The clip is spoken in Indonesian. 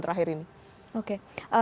terakhir ini oke